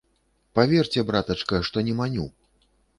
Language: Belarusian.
Паверце, братачка, што не маню.